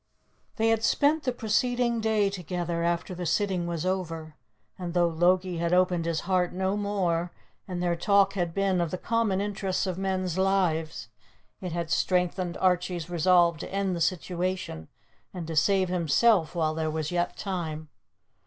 They had spent the preceding day together after the sitting was over, and though Logie had opened his heart no more, and their talk had been of the common interests of men's lives, it had strengthened Archie's resolve to end the situation and to save himself while there was yet time.